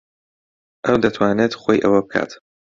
ئەو دەتوانێت خۆی ئەوە بکات.